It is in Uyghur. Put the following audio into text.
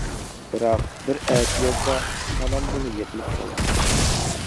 بىراق، بىر ئەتىيازدا ئىشخانامدىلا يىقىلىپ قالدىم.